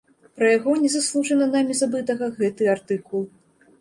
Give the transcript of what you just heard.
Пра яго, незаслужана намі забытага, гэты артыкул.